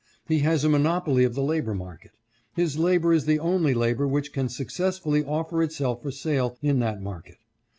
He has a monopoly of the labor market. His labor is the only labor which can successfully offer itself for sale in that market.